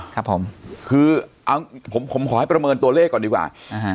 ครับผมคือเอาผมผมขอให้ประเมินตัวเลขก่อนดีกว่า